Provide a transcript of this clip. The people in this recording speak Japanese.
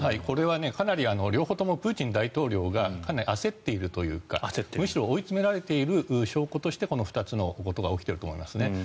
これは、かなり両方ともプーチン大統領がかなり焦っているというかむしろ追い詰められている証拠としてこの２つのことが起きていると思います。